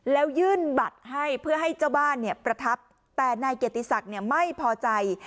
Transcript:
แล้วยื่นบัตรให้เพื่อให้เจ้าบ้านเนี่ยประทับแต่นายเกียรติศักดิ์ไม่พอใจ